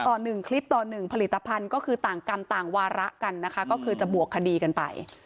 ต่อ๑คลิปต่อ๑ผลิตภัณฑ์ก็คือต่างกรรมต่างวาระกันนะคะก็คือจะบวกคดีกันไป